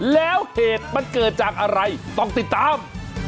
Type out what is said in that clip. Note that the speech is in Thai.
แล้วเหตุมันเกิดจากอะไรต้องติดตาม